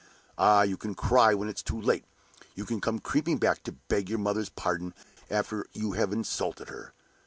Ah, you can cry when it's too late; you can come creeping back to beg your mother's pardon after you have insulted her.